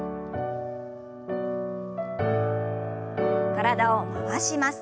体を回します。